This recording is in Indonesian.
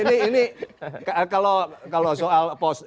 ini kalau soal post